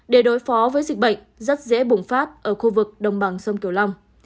để đối phó với dịch bệnh rất dễ bùng phát ở khu vực đồng bằng sông kiều long